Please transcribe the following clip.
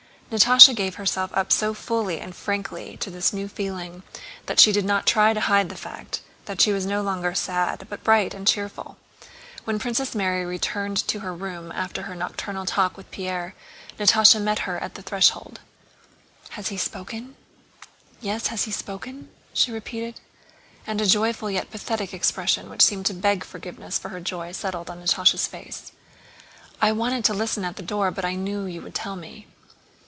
Natásha gave herself up so fully and frankly to this new feeling that she did not try to hide the fact that she was no longer sad, but bright and cheerful. When Princess Mary returned to her room after her nocturnal talk with Pierre, Natásha met her on the threshold. "He has spoken? Yes? He has spoken?" she repeated. And a joyful yet pathetic expression which seemed to beg forgiveness for her joy settled on Natásha's face. "I wanted to listen at the door, but I knew you would tell me."